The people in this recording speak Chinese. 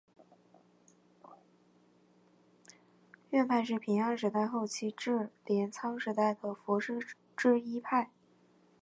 院派是平安时代后期至镰仓时代的佛师之一派。